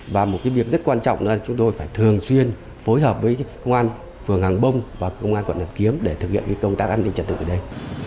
và một việc rất quan trọng là chúng tôi phải thường xuyên phối hợp với công an phường hàng bông và công an quận đàm kiếm để thực hiện công tác an ninh trật tự ở đây